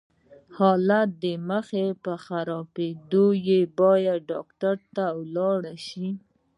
حالت دې مخ پر خرابيدو دی، بايد ډاکټر ته ولاړ شې!